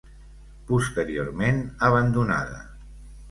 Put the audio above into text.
Posteriorment abandonada.